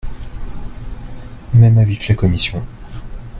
Même avis que la commission.